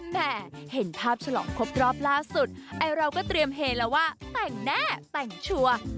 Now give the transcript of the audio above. เห็นภาพฉลองครบรอบล่าสุดไอเราก็เตรียมเฮแล้วว่าแต่งแน่แต่งชัวร์